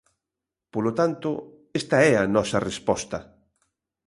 Polo tanto, esta é a nosa resposta.